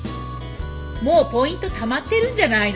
もうポイントたまってるんじゃないの？